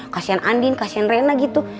kasian andin kasian rena gitu